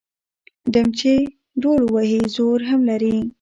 ـ ډم چې ډول وهي زور يې هم لري.